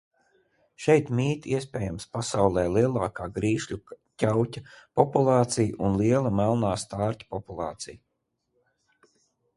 Šeit mīt, iespējams, pasaulē lielākā grīšļu ķauķa populācija un liela melnā stārķa populācija.